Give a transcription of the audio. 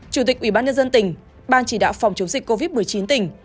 chủ tịch ủy ban nhân dân tỉnh ban chỉ đạo phòng chống dịch covid một mươi chín tỉnh